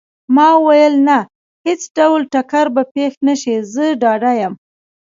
ما وویل: نه، هیڅ ډول ټکر به پېښ نه شي، زه ډاډه یم.